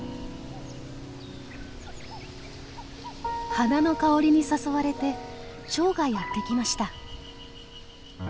花の香りに誘われてチョウがやって来ました。